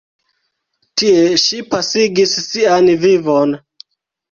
Tie ŝi pasigis sian vivon.